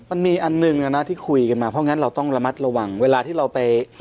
มันมีอันหนึ่งนะที่คุยกันมาเพราะงั้นเราต้องระมัดระวังเวลาที่เราไป